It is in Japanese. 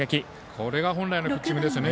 これが本来のピッチングですよね。